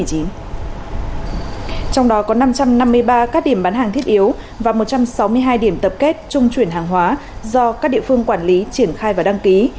trong đó có năm trăm năm mươi ba các điểm bán hàng thiết yếu và một trăm sáu mươi hai điểm tập kết trung chuyển hàng hóa do các địa phương quản lý triển khai và đăng ký